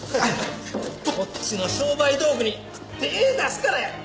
こっちの商売道具に手ぇ出すからや！